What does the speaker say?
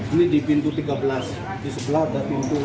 ini di pintu tiga belas di sebelah ada pintu